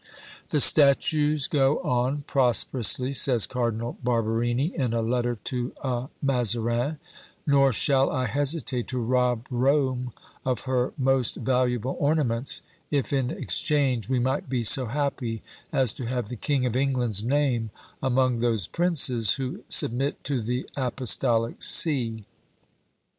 "The statues go on prosperously," says Cardinal Barberini, in a letter to a Mazarin, "nor shall I hesitate to rob Rome of her most valuable ornaments, if in exchange we might be so happy as to have the King of England's name among those princes who submit to the Apostolic See."